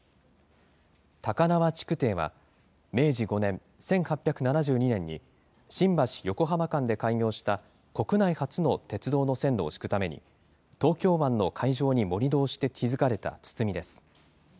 高輪築堤は、明治５年・１８７２年に、新橋・横浜間で開業した国内初の鉄道の線路を敷くために、東京湾の海上に盛り土をして築かれた堤です。